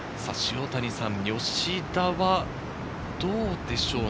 吉田はどうでしょうね。